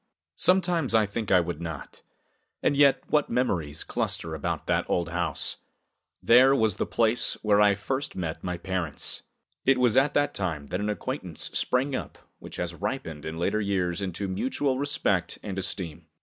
Sometimes I think I would not. And yet, what memories cluster about that old house! There was the place where I first met my parents. It was at that time that an acquaintance sprang up which has ripened in later years into mutual respect and esteem.